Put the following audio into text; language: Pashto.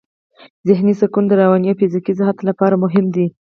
ذهني سکون د رواني او فزیکي صحت لپاره مهم دی.